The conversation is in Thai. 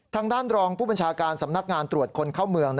ทางด้านรองผู้บัญชาการสำนักงานตรวจคนเข้าเมือง